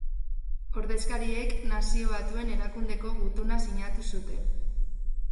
Ordezkariek Nazio Batuen Erakundeko gutuna sinatu zuten.